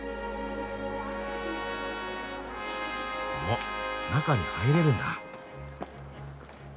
あ中に入れるんだ。